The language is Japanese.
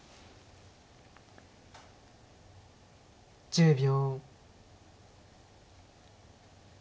１０秒。